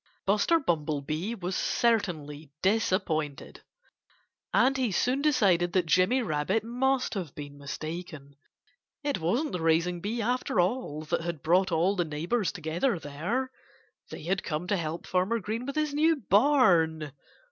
Buster Bumblebee was certainly disappointed. And he soon decided that Jimmy Rabbit must have been mistaken. It wasn't the raising bee, after all, that had brought all the neighbors together there. They had come to help Farmer Green with his new barn!